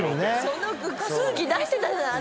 その空気出してたじゃない！